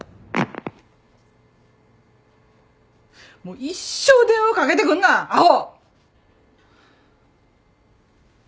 もう一生電話かけてくんなアホ！